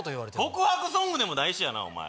告白ソングでもないしやなお前。